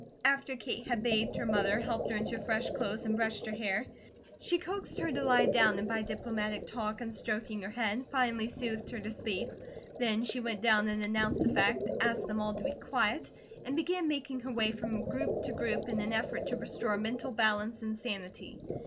After Kate had bathed her mother, helped her into fresh clothes, and brushed her hair, she coaxed her to lie down, and by diplomatic talk and stroking her head, finally soothed her to sleep. Then she went down and announced the fact, asked them all to be quiet, and began making her way from group to group in an effort to restore mental balance and sanity.